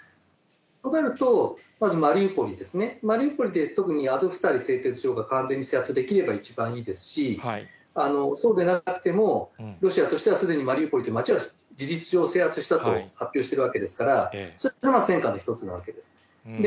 となると、まずマリウポリですね、マリウポリで特にアゾフスタリ製鉄所が完全に制圧できれば一番いいですし、そうでなくても、ロシアとしてはすでにマリウポリという街は事実上制圧したと発表してるわけですから、それも戦果の一つなわけです。